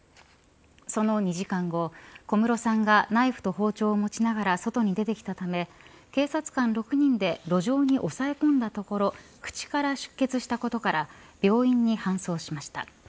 その２時間後、小室さんがナイフと包丁を持ちながら外に出てきたため警察官６人で路上に押さえ込んだところ口から出血したことから病院に搬送しました。